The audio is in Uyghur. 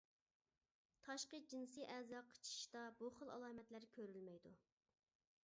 تاشقى جىنسىي ئەزا قىچىشىشتا بۇ خىل ئالامەتلەر كۆرۈلمەيدۇ.